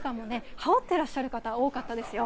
羽織っていらっしゃる方多かったですよ。